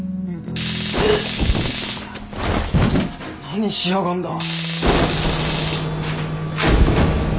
何しやがんだ！